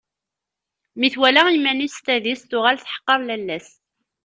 Mi twala iman-is s tadist, tuɣal teḥqer lalla-s.